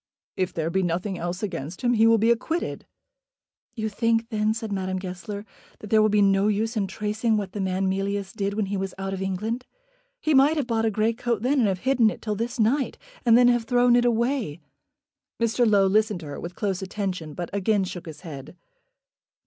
"If there be nothing else against him he will be acquitted." "You think then," said Madame Goesler, "that there will be no use in tracing what the man Mealyus did when he was out of England. He might have bought a grey coat then, and have hidden it till this night, and then have thrown it away." Mr. Low listened to her with close attention, but again shook his head.